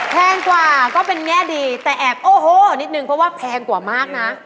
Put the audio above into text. แพงกว่าก็เป็นแง่ดีแต่แอบโอ้โหนิดนึงเพราะว่าแพงกว่ามากนะ